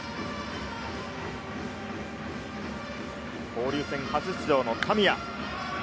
交流戦初出場の田宮。